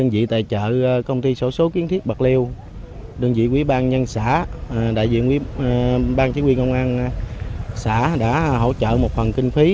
vị tài trợ công ty sổ số kiến thiết bạc liêu đơn vị quý bang nhân xã đại diện bang chính quyền công an xã đã hỗ trợ một phần kinh phí